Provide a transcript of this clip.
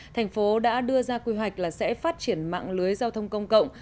thành phố đã đưa ra quy hoạch là sẽ phát triển mạng lưới giao thông công cộng